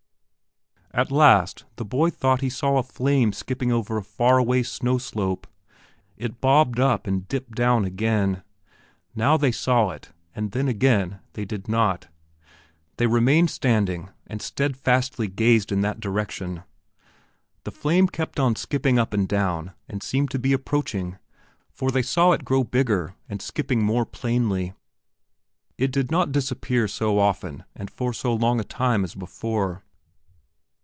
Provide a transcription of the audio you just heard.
At last the boy thought he saw a flame skipping over a far away snow slope. It bobbed up and dipped down again. Now they saw it, and then again they did not. They remained standing and steadfastly gazed in that direction. The flame kept on skipping up and down and seemed to be approaching, for they saw it grow bigger and skipping more plainly. It did not disappear so often and for so long a time as before.